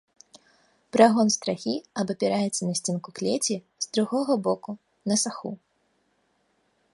Прагон страхі абапіраецца на сценку клеці, з другога боку на саху.